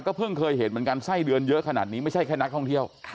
เพิ่งเคยเห็นเหมือนกันไส้เดือนเยอะขนาดนี้ไม่ใช่แค่นักท่องเที่ยว